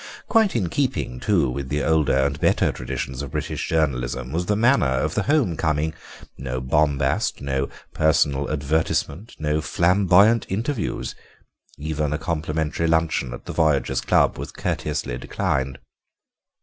Quite in keeping, too, with the older and better traditions of British journalism was the manner of the home coming; no bombast, no personal advertisement, no flamboyant interviews. Even a complimentary luncheon at the Voyagers' Club was courteously declined.